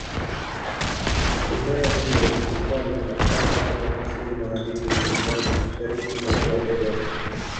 Himaya hiyo ilikuwa inapatikana upande wa Kusini Magharibi mwa Uganda, Mashariki mwa Ziwa Edward.